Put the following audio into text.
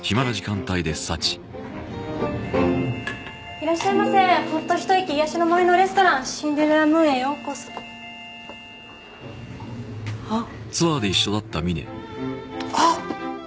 いらっしゃいませホッとひと息癒やしの森のレストランシンデレラムーンへようこそあっあっ！